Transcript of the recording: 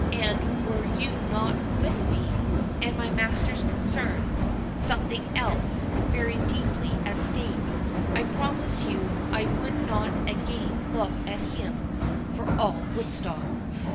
And were you not with me, and my master's concerns, and something else, very deeply at stake, I promise you I would not again look at him for all Woodstock."